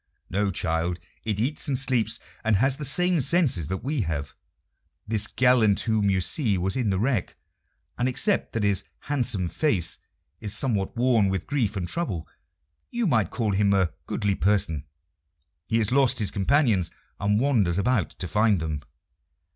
"No, child; it eats and sleeps, and has the same senses that we have. This gallant whom you see was in the wreck, and except that his handsome face is somewhat worn with grief and trouble, you might call him a goodly person. He has lost his companions, and wanders about to find them."